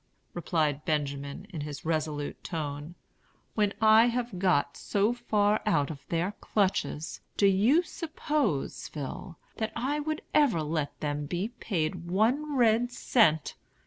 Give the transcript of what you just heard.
replied Benjamin, in his resolute tone. "When I have got so far out of their clutches, do you suppose, Phil, that I would ever let them be paid one red cent?